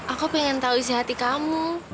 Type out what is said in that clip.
aku pengen tahu isi hati kamu